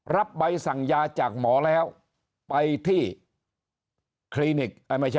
ใบสั่งยาจากหมอแล้วไปที่คลินิก